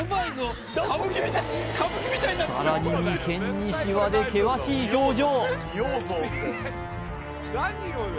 さらに眉間にシワで険しい表情